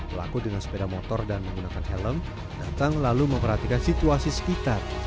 pelaku dengan sepeda motor dan menggunakan helm datang lalu memperhatikan situasi sekitar